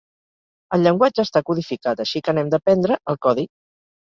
El llenguatge està codificat, així que n’hem d’aprendre el codi.